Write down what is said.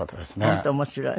本当面白い。